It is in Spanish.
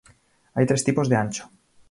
Hay tres tipos de ancho.